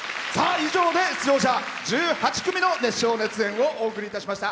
以上で出場者１８組の熱唱・熱演、お送りいたしました。